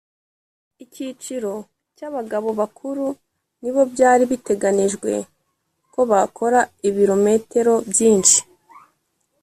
Ikiciro cy’abagabo bakuru nibo byari biteganijwe ko bakora ibirometero byinshi